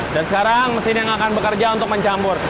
dan sekarang mesin yang akan bekerja untuk mencampur